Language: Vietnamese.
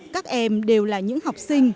các em đều là những học sinh